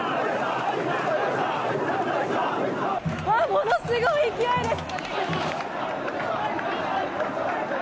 ものすごい勢いです。